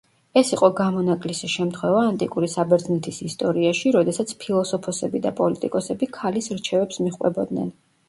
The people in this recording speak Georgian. ეს იყო გამონაკლისი შემთხვევა ანტიკური საბერძნეთის ისტორიაში, როდესაც ფილოსოფოსები და პოლიტიკოსები ქალის რჩევებს მიჰყვებოდნენ.